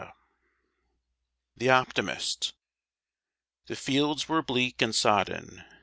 =The Optimist= The fields were bleak and sodden.